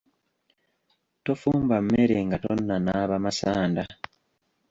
Tofumba mmere nga tonnanaaba masanda.